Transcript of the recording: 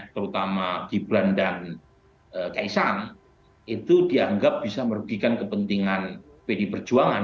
terutama gibran dan kaisang itu dianggap bisa merugikan kepentingan pdi perjuangan